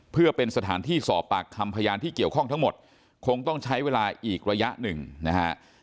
เพื่อเป็นสถานที่สอบปากคำพยานที่เกี่ยวข้องทั้งหมดคงต้องใช้เวลาอีกระยะหนึ่งนะฮะ